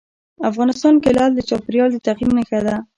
افغانستان کې لعل د چاپېریال د تغیر نښه ده.